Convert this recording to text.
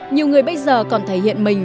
nhiều người bây giờ còn thể hiện mình